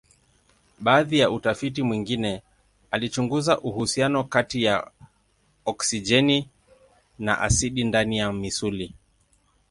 Baadhi ya utafiti mwingine alichunguza uhusiano kati ya oksijeni na asidi ndani ya misuli.